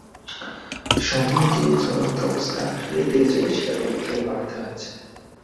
সময় যে চলন্ত অবস্থায় আসলেই ধীরে চলে সেটা পরীক্ষায় প্রমাণিত হয়েছে।